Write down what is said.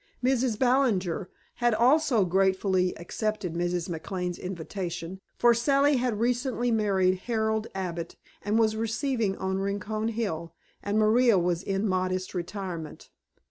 Mrs. Ballinger had also gratefully accepted Mrs. McLane's invitation, for Sally had recently married Harold Abbott and was receiving on Rincon Hill, and Maria was in modest retirement.